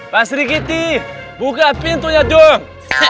pak sri kiti buka pintunya dong